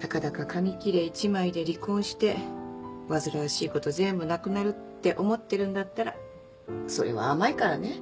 たかだか紙切れ１枚で離婚して煩わしいこと全部なくなるって思ってるんだったらそれは甘いからね。